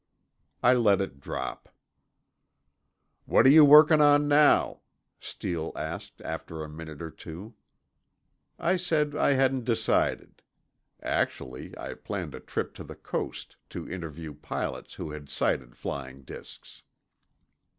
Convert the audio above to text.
I let it drop. "What are you working on now?" Steele asked, after a minute or two. I said I hadn't decided. Actually, I planned a trip to the coast, to interview pilots who had sighted flying disks.